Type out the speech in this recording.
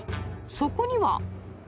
そこには。